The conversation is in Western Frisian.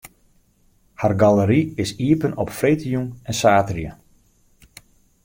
Har galery is iepen op freedtejûn en saterdei.